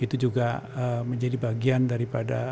itu juga menjadi bagian daripada